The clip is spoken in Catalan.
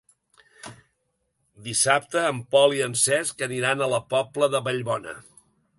Dissabte en Pol i en Cesc aniran a la Pobla de Vallbona.